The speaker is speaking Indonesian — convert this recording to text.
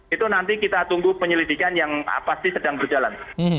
itu nanti kita tunggu penyelidikan yang pasti sedang berjalan